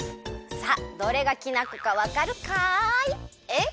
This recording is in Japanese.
さあどれがきな粉かわかるかい？えっ？